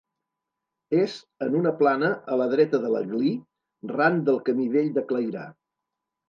És en una plana a la dreta de l'Aglí, ran del camí vell de Clairà.